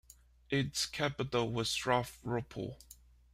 Its capital was Stavropol.